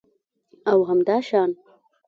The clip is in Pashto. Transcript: او همداشان